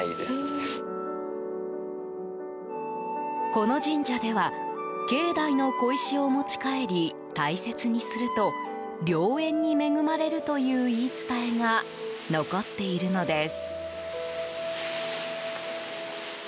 この神社では境内の小石を持ち帰り大切にすると良縁に恵まれるという言い伝えが残っているのです。